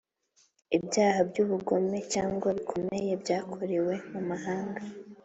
Ibyaha by’ubugome cyangwa bikomeye byakorewe mu mahanga